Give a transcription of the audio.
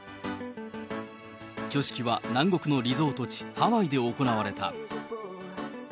挙式は南国のリゾート地、ハワイで行われた。